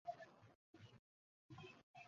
এখানে blood bank পরিষেবা বর্তমান।